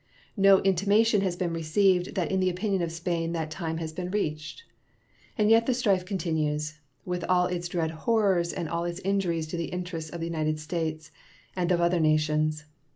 No intimation has been received that in the opinion of Spain that time has been reached. And yet the strife continues, with all its dread horrors and all its injuries to the interests of the United States and of other nations.